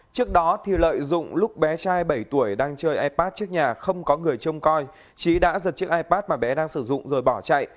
trước đó lợi dụng lúc bé trai bảy tuổi đang chơi ipad trước nhà không có người trông coi trí đã giật chiếc ipad mà bé đang sử dụng rồi bỏ chạy